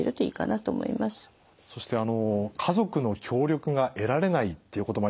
そして家族の協力が得られないっていうこともありました。